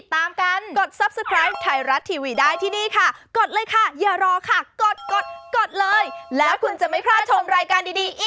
ฝากคุณผู้ชมอย่างแน่นอนนะคะ